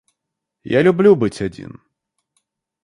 Я люблю быть один.